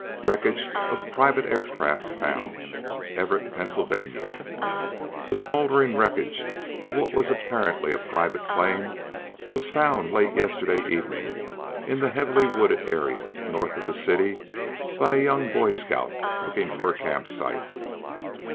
WRECKAGE OF PRIVATE AIRCRAFT FOUND Everett, Pa. The smouldering wreckage of what was apparently a private plane was found late yesterday evening in the heavily wooded area north of the city by a young Boy Scout looking for a campsite.